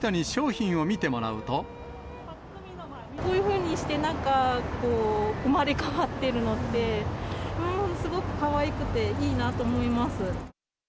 こういうふうにして、なんか生まれ変わってるのって、すごくかわいくていいなと思います。